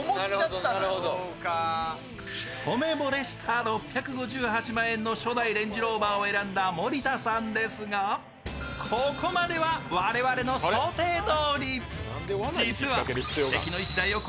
一目ぼれした６５８万円のレンジローバーを選んだ森田さんですが、ここまでは想定内。